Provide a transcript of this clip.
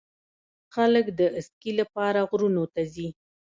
خلک د اسکی لپاره غرونو ته ځي.